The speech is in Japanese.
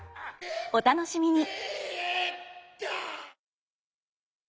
お楽しみに！